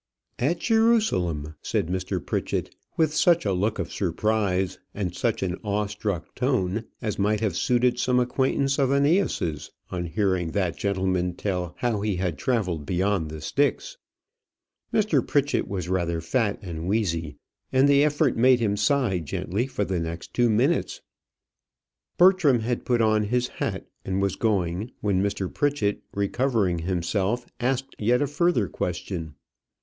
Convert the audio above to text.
"At Jerusalem!" said Mr. Pritchett, with such a look of surprise, with such an awe struck tone, as might have suited some acquaintance of Æneas's, on hearing that gentleman tell how he had travelled beyond the Styx. Mr. Pritchett was rather fat and wheezy, and the effort made him sigh gently for the next two minutes. Bertram had put on his hat and was going, when Mr. Pritchett, recovering himself, asked yet a further question.